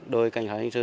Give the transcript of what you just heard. đội cảnh khái hành sư